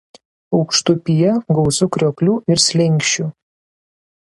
Aukštupyje gausu krioklių ir slenksčių.